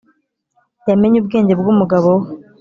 yamenye ubwenge bwumugabo we.